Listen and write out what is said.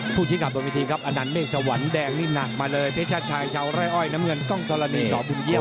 ผู้ชิดขับตรงเวทีครับอนันต์เมฆสวรรค์แดงนิ่มหนักมาเลยเพชาชายชาวไร้อ้อยน้ำเงินกล้องทรณีสอบภูมิเยียม